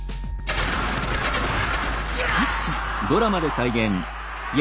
しかし。